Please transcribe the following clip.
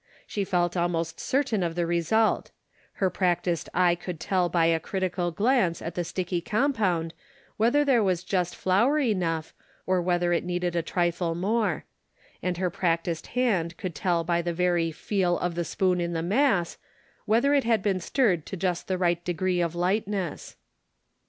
She felt almost certain of the result ; her practiced eye could tell by a critical glance at the sticky compound whether there was just flour enough, or whether it needed a trifle more; and her practiced hand could tell by the very " feel " of the spoon in the mass whether it had been stirred to just the right degree of lightness.